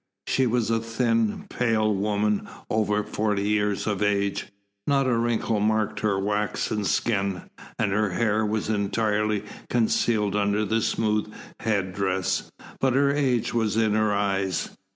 She was a thin, pale woman over forty years of age. Not a wrinkle marked her waxen skin, and her hair was entirely concealed under the smooth head dress, but her age was in her eyes.